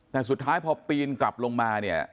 แต่สุดท้ายพอปีนกลับลงมาเนี่ย